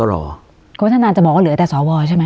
เพราะว่าท่านอาจจะบอกว่าเหลือแต่สวใช่ไหม